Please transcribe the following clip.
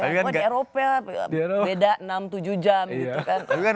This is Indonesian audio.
cuma di eropa beda enam tujuh jam gitu kan